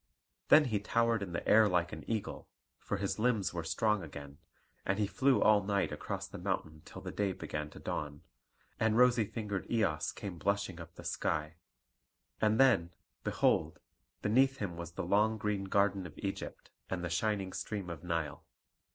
Then he towered in the air like an eagle, for his limbs were strong again; and he flew all night across the mountain till the day began to dawn, and rosy fingered Eos came blushing up the sky. And then, behold, beneath him was the long green garden of Egypt and the shining stream of Nile.